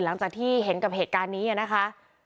หลังจากที่เห็นกับเหตุการณ์นี้นะคะ